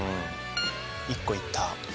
１個いった。